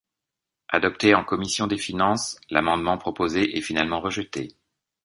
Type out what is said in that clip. Adopté en commission des finances, l'amendement proposé est finalement rejeté.